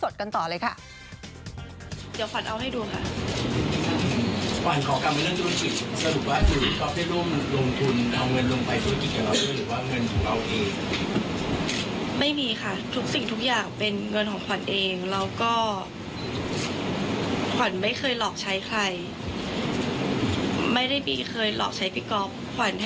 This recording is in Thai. เดี๋ยวไปฟังขวัญไลฟ์สดกันต่อเลยค่ะ